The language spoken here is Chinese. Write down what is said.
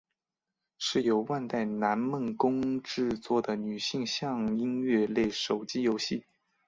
是由万代南梦宫制作的女性向音乐类手机游戏。